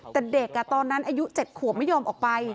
แต่เด็กตอนนั้นอายุ๗ขวบไม่ยอมออกไป